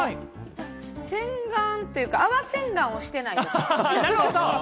洗顔というか、泡洗顔をしてない。